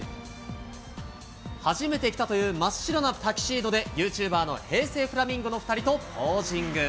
初めて着たという真っ白なタキシードでユーチューバーの平成フラミンゴの２人とポージング。